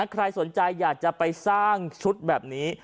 ใครสนใจอยากจะไปสร้างชุดแบบนี้